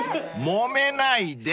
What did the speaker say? ［もめないで］